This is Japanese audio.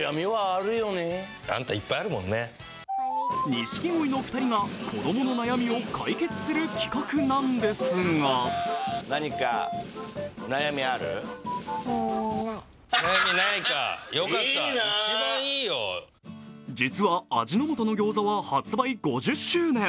錦鯉の２人が子供の悩みを解決する企画なんですが実は、味の素のギョーザは発売５０周年。